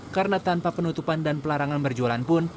karena tanpa penutupan dan pelarangan berjualan pun